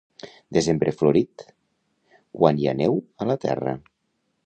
Desembre florit? Quan hi ha neu a la terra.